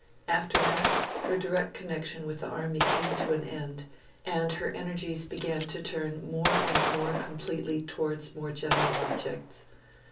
After that, her direct connection with the Army came to an end, and her energies began to turn more and more completely towards more general objects.